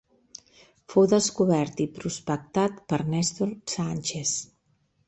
Fou descobert i prospectat per Néstor Sánchez.